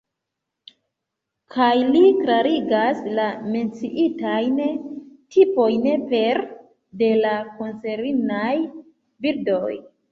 Kaj li klarigas la menciitajn tipojn pere de la koncernaj bildoj.